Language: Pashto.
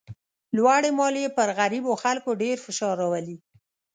لوړې مالیې پر غریبو خلکو ډېر فشار راولي.